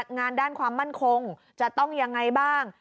งานด้านความมั่นคงจะต้องยังไงบ้าง